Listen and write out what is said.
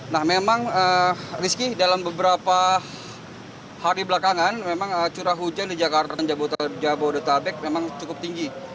nah memang rizky dalam beberapa hari belakangan memang curah hujan di jakarta dan jabodetabek memang cukup tinggi